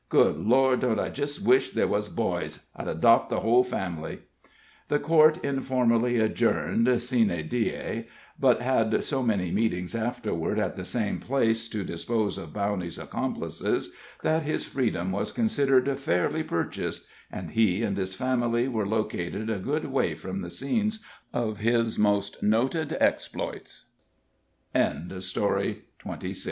Good Lord, don't I jist wish they wuz boys! I'd adopt the hull family." The court informally adjourned sine die, but had so many meetings afterward at the same place to dispose of Bowney's accomplices, that his freedom was considered fairly purchased, and he and his family were located a good way from the scenes of his m